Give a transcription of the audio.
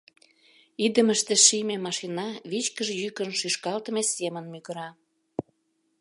Идымыште шийме машина вичкыж йӱкын шӱшкалтыме семын мӱгыра.